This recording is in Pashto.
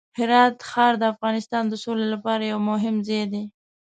هرات ښار د افغانستان د سولې لپاره یو مهم ځای دی.